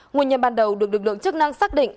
nguyên nhân ban đầu được lực lượng chức năng xác định